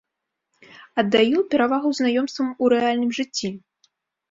Аддаю перавагу знаёмствам у рэальным жыцці.